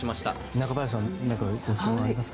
中林さん何か質問はありますか？